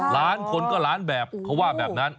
ล้านคนก็ล้านแบบเขาว่าแบบนั้น